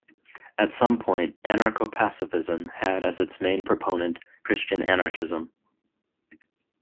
At some point anarcho-pacifism had as its main proponent Christian anarchism.